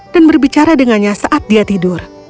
dan berbicara dengannya saat dia tidur